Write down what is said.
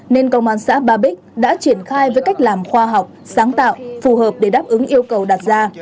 nên công an xã ba bích đã triển khai với cách làm khoa học sáng tạo phù hợp để đáp ứng yêu cầu đặt ra